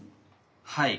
はい。